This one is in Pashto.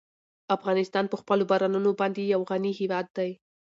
افغانستان په خپلو بارانونو باندې یو غني هېواد دی.